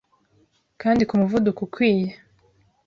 kandi ku muvuduko ukwiye